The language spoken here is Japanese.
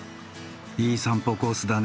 いい散歩コースだね。